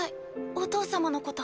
お父様のこと。